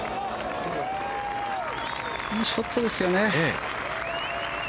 いいショットですよね。